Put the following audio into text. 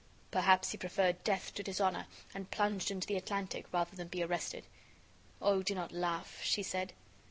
"Perhaps he preferred death to dishonor, and plunged into the Atlantic rather than be arrested." "Oh, do not laugh," she said.